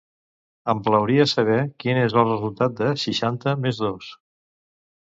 Em plauria saber quin és el resultat de seixanta més dos?